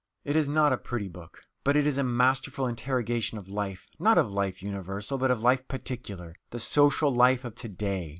It is not a pretty book, but it is a masterful interrogation of life not of life universal, but of life particular, the social life of to day.